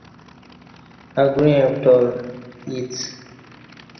اگوعیں پکٹال اِڅ